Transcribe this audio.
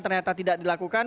ternyata tidak dilakukan